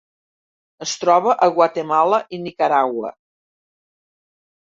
Es troba a Guatemala i Nicaragua.